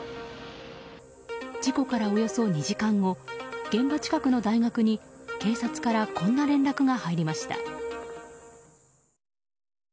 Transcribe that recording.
事故からおよそ２時間後現場近くの大学に警察からこんな連絡が入りました。